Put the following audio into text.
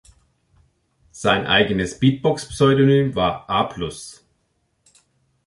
Sein eigenes Beatbox-Pseudonym war A-Plus.